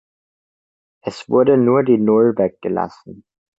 Es wurde nur die Null weggelassen.